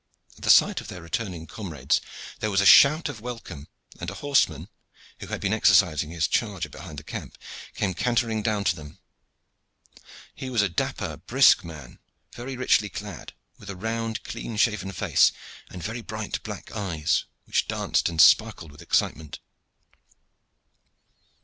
At the sight of their returning comrades there was a shout of welcome, and a horseman, who had been exercising his charger behind the camp, came cantering down to them. He was a dapper, brisk man, very richly clad, with a round, clean shaven face, and very bright black eyes, which danced and sparkled with excitement.